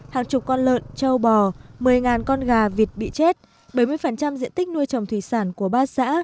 hàng chục con lợn châu bò một mươi con gà vịt bị chết bảy mươi diện tích nuôi trồng thủy sản của ba xã